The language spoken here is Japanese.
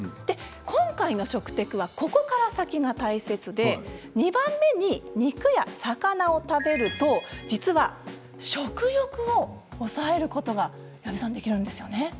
今回の食テクはここから先が大切で２番目に、肉や魚を食べると実は食欲を抑えることができるんですよね。